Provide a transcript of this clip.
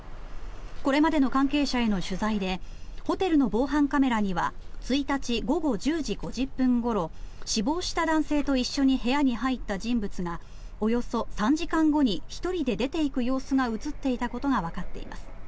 これまでの関係者への取材でホテルの防犯カメラには１日午後１０時５０分ごろ死亡した男性と一緒に部屋に入った人物がおよそ３時間後に１人で出ていく様子が映っていたことがわかっています。